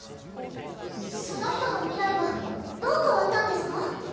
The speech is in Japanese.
そのヒトの未来はどう変わったんですか？